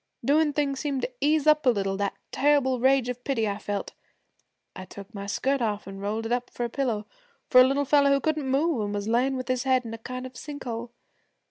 Doing things seemed to ease up a little that terrible rage of pity I felt. I took my skirt off an 'rolled it up for a pillow for a little fella who couldn't move an' was layin' with his head in a kind of a sink hole.